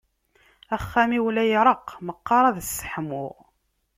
Axxam-iw la iṛeqq, meqqaṛ ad sseḥmuɣ.